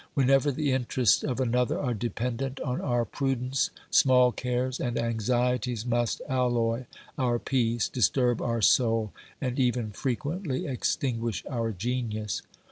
Whenever the interests of another are dependent on our prudence, small cares and anxieties must alloy our peace, disturb our soul and even frequently extinguish our genius.